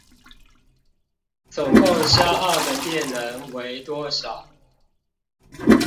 總共消耗的電能為多少？